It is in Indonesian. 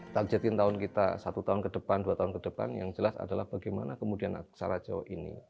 targetin tahun kita satu tahun ke depan dua tahun ke depan yang jelas adalah bagaimana kemudian aksara jawa ini